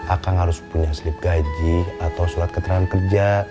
akang harus punya selip gaji atau sulat keterangan kerja